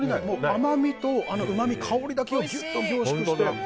甘みとうまみ、香りだけをギュッと凝縮して。